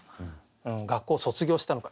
学校を卒業したのか。